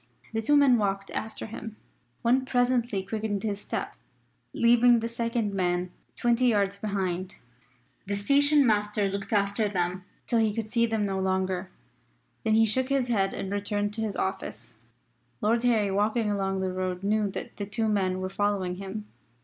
The two men walked after him. One presently quickened his step, leaving the second man twenty yards behind. The station master looked after them till he could see them no longer. Then he shook his head and returned to his office. Lord Harry walking along the road knew that the two men were following him.